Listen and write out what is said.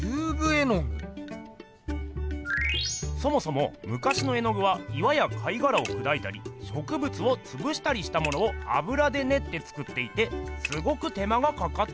そもそもむかしの絵具は岩や貝がらをくだいたりしょくぶつをつぶしたりしたものをあぶらでねって作っていてすごく手間がかかっていました。